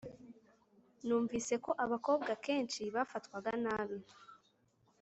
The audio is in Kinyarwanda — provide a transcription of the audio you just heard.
numvisemo ko abakobwa kenshi bafatwaga nabi